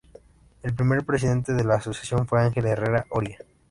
El primer presidente de la asociación fue Ángel Herrera Oria.